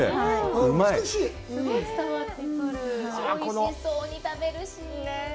おいしそうに食べるし。